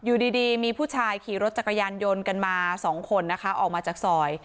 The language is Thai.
อยู่ดีมีผู้ชายขี่รถจักรยานยนต์กันมาสองคนนะคะออกมาจากซอย